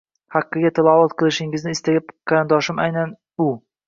Haqqiga tilovat qilishingizni istagan qarindoshim aynan u.